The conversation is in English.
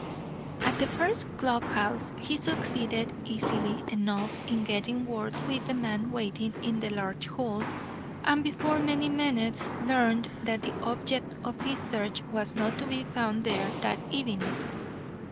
At the first club house he succeeded easily enough in getting word with the man waiting in the large hall, and before many minutes learned that the object of his search was not to be found there that evening.